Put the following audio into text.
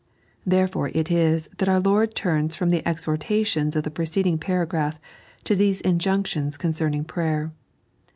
Therefore it is that our Lord turns from the exhortations of the preceding paragraph to these injunctions concerning prayer.